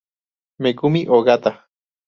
Megumi Ogata